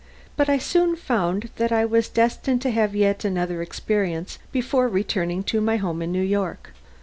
But I soon found that I was destined to have yet another experience before returning to my home in New York.